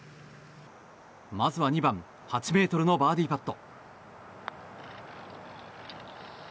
まずは２番８ｍのバーディーパット。